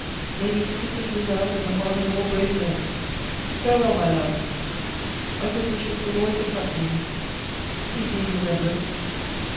May these kisses resound in the heart of all brave men!... Farewell, my lads!... My good wishes will always accompany you; keep me in remembrance."